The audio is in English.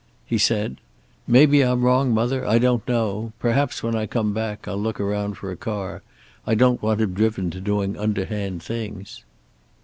He said: "Maybe I'm wrong, mother. I don't know. Perhaps, when I come back, I'll look around for a car. I don't want him driven to doing underhand things."